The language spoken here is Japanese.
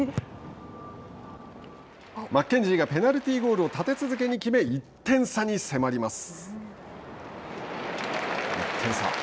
マッケンジーがペナルティーゴールを立て続けに決め１点差に迫ります。